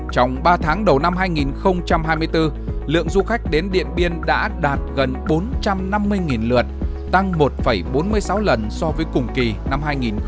trong ba tháng đầu năm hai nghìn hai mươi bốn lượng du khách đến điện biên đã đạt gần bốn trăm năm mươi lượt tăng một bốn mươi sáu lần so với cùng kỳ năm hai nghìn hai mươi hai